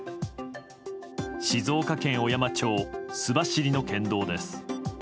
静岡県小山町須走の県道です。